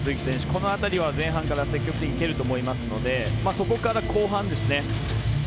この辺りは前半から積極的にいけると思うのでそこから後半ですね。